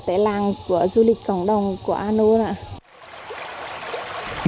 tại làng của du lịch cộng đồng của a nô ạ